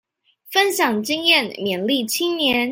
分享經驗勉勵青年